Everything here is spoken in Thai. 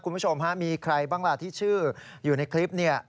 คุณผู้ชมฮะมีใครบ้างล่ะที่ชื่ออยู่ในคลิปเนี่ย